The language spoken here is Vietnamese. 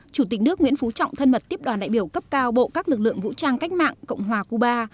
chủ tịch nước nguyễn phú trọng thân mật tiếp đoàn đại biểu cấp cao bộ các lực lượng vũ trang cách mạng cộng hòa cuba